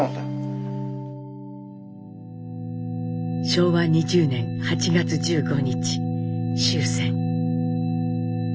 昭和２０年８月１５日終戦。